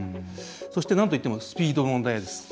そして、なんといってもスピードの問題です。